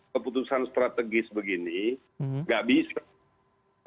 keputusan strategis begini nggak bisa